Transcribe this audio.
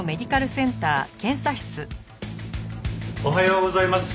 おはようございます。